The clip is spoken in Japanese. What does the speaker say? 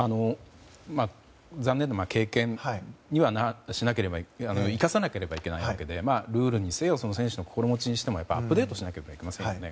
残念な経験も生かさなければいけないわけでルールにせよ選手の心持ちにせよアップデートしなければいけませんよね。